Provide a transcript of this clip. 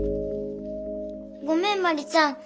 ごめん茉莉ちゃん。